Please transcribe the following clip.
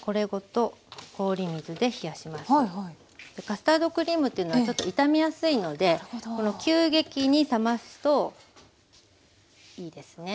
カスタードクリームというのはちょっと傷みやすいので急激に冷ますといいですね。